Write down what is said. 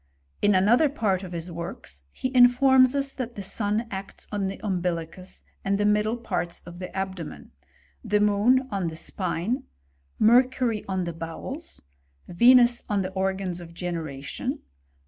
In another part of his works, he informs us that the sun acts on the umbilicus and the middle parts of the abdomen^^ the moon on the spine, Mercury on the bowels, Venus on the organs of generation.